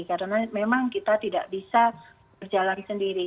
karena memang kita tidak bisa berjalan sendiri